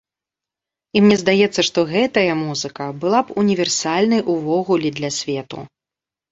І мне здаецца, што гэтая музыка была б універсальнай увогуле для свету.